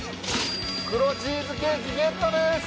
黒チーズケーキゲットです。